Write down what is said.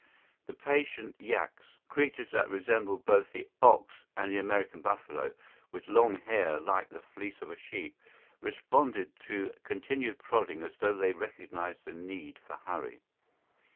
The patient yaks, creatures that resemble both the ox and the American buffalo, with long hair like the fleece of a sheep, responded to continued prodding as though they recognized the need for hurry.